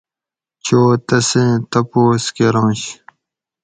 چو تسیں تپوس کرنش